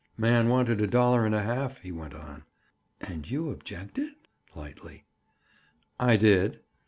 "Man wanted a dollar and a half," he went on. "And you objected?" Lightly. "I did."